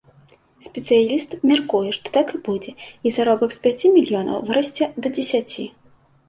Спецыяліст мяркуе, што так і будзе, і заробак з пяці мільёнаў вырасце да дзесяці.